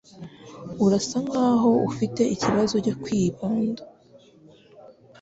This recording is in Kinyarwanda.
Urasa nkaho ufite ikibazo cyo kwibanda